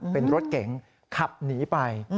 เป็นรถเก๋งขับหนีไป